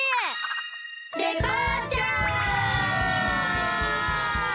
デパーチャー！